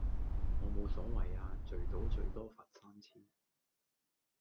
我冇所謂呀，聚賭最多罰三千